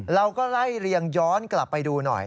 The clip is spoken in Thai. เราก็ไล่เรียงย้อนกลับไปดูหน่อย